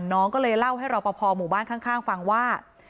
น้องก็เลยเล่าให้รอปภหมู่บ้านข้างฟังว่า